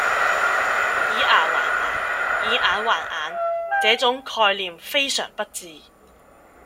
以牙還牙，以眼還眼，這種概念非常不智